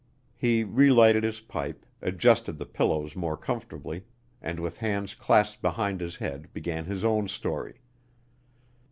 He relighted his pipe, adjusted thyhe pillows more comfortably, and with hands clasped behind his head began his own story.